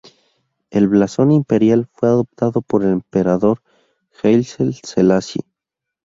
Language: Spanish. El blasón imperial fue adoptado por el emperador Haile Selassie.